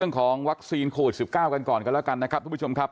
เรื่องของวัคซีนโควิด๑๙กันก่อนกันแล้วกันนะครับทุกผู้ชมครับ